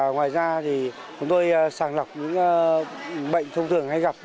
ngoài ra thì chúng tôi sàng lọc những bệnh thông thường hay gặp